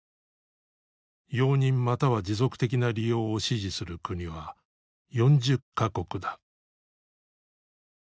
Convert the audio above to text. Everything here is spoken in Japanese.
容認または持続的な利用を支持する国は４０か国だ。